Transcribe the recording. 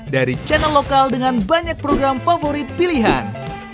dari channel lokal dengan banyak program favorit pilihan